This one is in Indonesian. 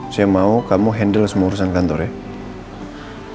saya mau kamu handle semua urusan kantor ya